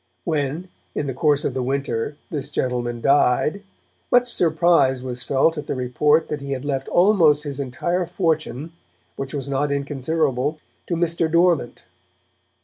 When, in the course of the winter, this gentleman died, much surprise was felt at the report that he had left almost his entire fortune, which was not inconsiderable, to Mr. Dormant.